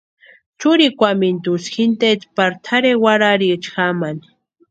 Churikwamintusï jinteeti pari tʼarhe warhiriecha jamani.